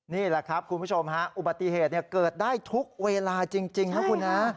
นี่แหละครับคุณผู้ชมฮะอุบัติเหตุเกิดได้ทุกเวลาจริงนะคุณนะ